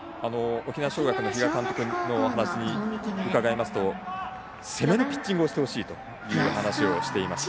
沖縄尚学の比嘉監督に伺いますと攻めのピッチングをしてほしいという話をしていました。